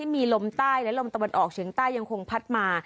มีลมใต้และลมตะวันออกเฉียงใต้ยังคงพัดมา